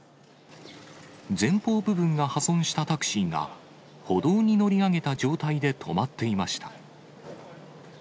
前方部分が破損したタクシーが、歩道に乗り上げた状態で止まっていました。